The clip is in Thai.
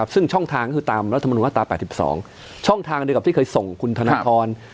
ซึ่งช่องทางก็คือตามรัฐมนุนมาตรา๘๒ช่องทางเดียวกับที่เคยส่งคุณธนทร